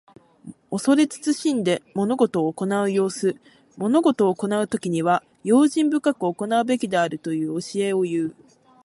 恐れ慎んで物事を行う様子。物事を行うときには、用心深く行うべきであるという教えをいう。